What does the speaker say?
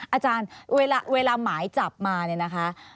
อาจารย์เวลาหมายจับมาเนี่ยนะคะ